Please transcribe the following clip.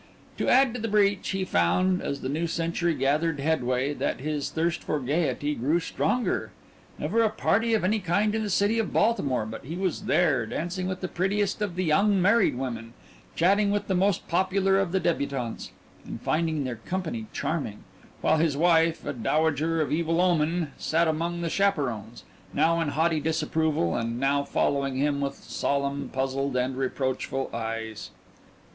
To add to the breach, he found, as the new century gathered headway, that his thirst for gaiety grew stronger. Never a party of any kind in the city of Baltimore but he was there, dancing with the prettiest of the young married women, chatting with the most popular of the débutantes, and finding their company charming, while his wife, a dowager of evil omen, sat among the chaperons, now in haughty disapproval, and now following him with solemn, puzzled, and reproachful eyes.